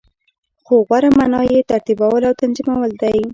خو غوره معنا یی ترتیبول او تنظیمول دی .